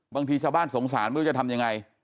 บางทีชาวบ้านสงสารไม่รู้จะทำยังไง